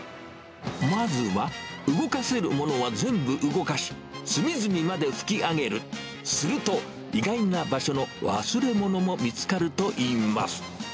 まずは、動かせるものは全部動かし、隅々まで拭き上げる、すると、意外な場所の忘れ物も見つかるといいます。